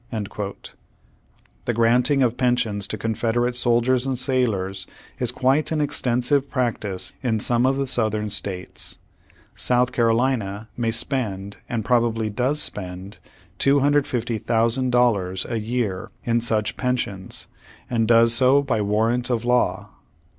^ The granting of pensions to Confederate soldiers and sailors is quite an extensive practice in some of the Southern States. South Carolina may spend, and probably does spend, $250,000 a year in such pensions, and does so by warrant of law.'